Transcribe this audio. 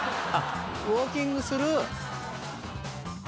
ウオーキングする。